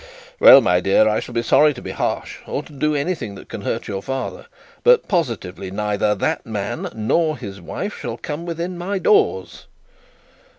'Well, my dear, I shall be sorry to be harsh, or to do anything that can hurt your father; but, positively, neither that man nor his wife shall come within my doors.'